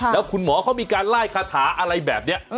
แล้วคุณหมอเขามีการไล่คาถาอะไรแบบนี้